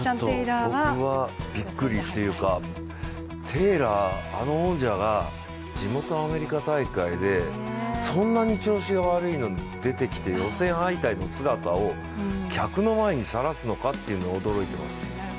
テイラー、あの王者が地元アメリカ大会でそんなに調子が悪いのに出てきて予選敗退の姿を客の前にさらすのかというのは驚いてます。